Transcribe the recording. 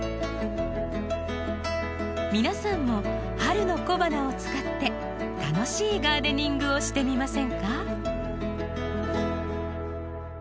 皆さんも春の小花を使って楽しいガーデニングをしてみませんか？